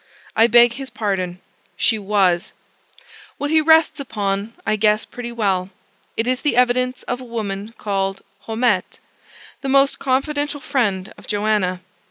I beg his pardon: she was. What he rests upon, I guess pretty well: it is the evidence of a woman called Haumette, the most confidential friend of Joanna.